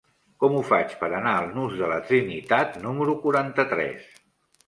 Com ho faig per anar al nus de la Trinitat número quaranta-tres?